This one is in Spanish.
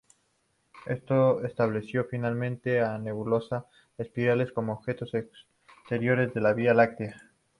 Esto estableció firmemente a las nebulosas espirales como objetos exteriores a la Vía Láctea.